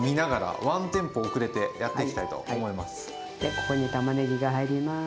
ここにたまねぎが入ります。